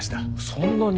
そんなに。